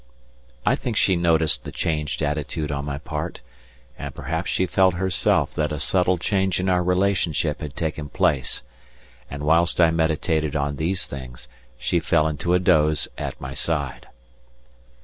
I think she noticed the changed attitude on my part, and perhaps she felt herself that a subtle change in our relationship had taken place, and whilst I meditated on these things she fell into a doze at my side.